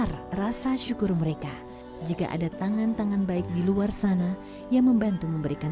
dengar rasa syukur mereka jika ada tangan tangan baik di luar sana yang membantu memberikan